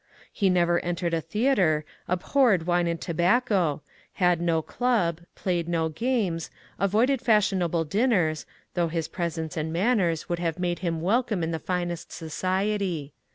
He never entered a theatre, abhorred wine and tobacco, had no club, played no games, avoided fashionable dinners, though his presence and manners would have made him welcome in the finest society.